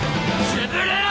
「潰れろ」！